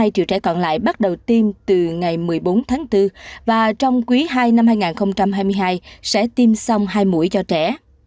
hai mươi triệu trẻ còn lại bắt đầu tiêm từ ngày một mươi bốn tháng bốn và trong quý ii năm hai nghìn hai mươi hai sẽ tiêm xong hai mũi cho trẻ